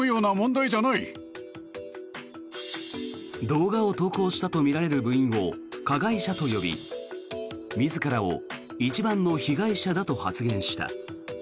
動画を投稿したとみられる部員を加害者と呼び自らを一番の被害者だと発言した。